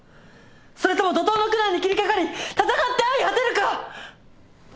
それとも怒濤の苦難に斬りかかり戦って相果てるか。